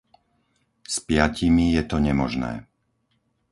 S piatimi je to nemožné.